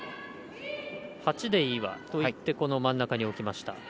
８でいいわと言って真ん中に置きました。